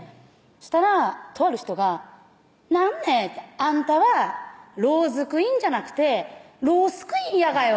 したらとある人が「なんねあんたはローズクイーンじゃなくてロースクイーンやがよ」